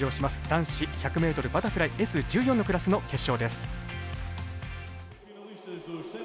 男子１００ｍバタフライＳ１４のクラスの決勝です。